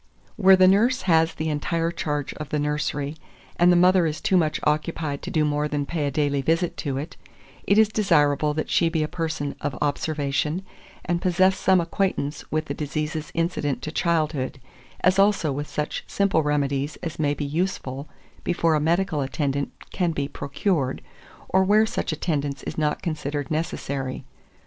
2404. Where the nurse has the entire charge of the nursery, and the mother is too much occupied to do more than pay a daily visit to it, it is desirable that she be a person of observation, and possess some acquaintance with the diseases incident to childhood, as also with such simple remedies as may be useful before a medical attendant can be procured, or where such attendance is not considered necessary.